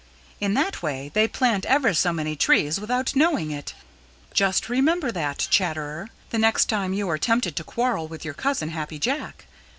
In that way they plant ever so many trees without knowing it. Just remember that, Chatterer, the next time you are tempted to quarrel with your cousin, Happy Jack.